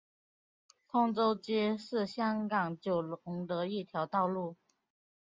通州街是香港九龙的一条道路。